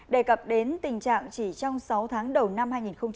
đề cập đến tình trạng chỉ trong sáu tháng đầu năm hai nghìn một mươi bảy